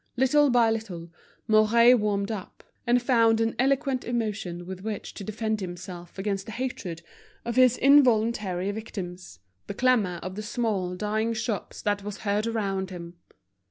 Little by little Mouret warmed up, and found an eloquent emotion with which to defend himself against the hatred of his involuntary victims, the clamor of the small dying shops that was heard around him.